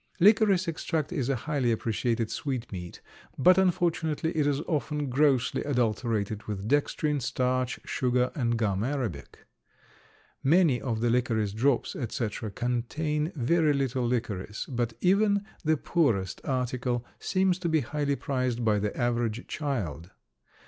Licorice extract is a highly appreciated sweetmeat but unfortunately it is often grossly adulterated with dextrin, starch, sugar, and gum arabic. Many of the licorice drops, etc., contain very little licorice, but even the poorest article seems to be highly prized by the average child.